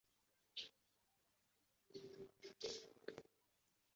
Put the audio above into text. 氚光照明的提供正常和低光照条件以下的瞄准能力。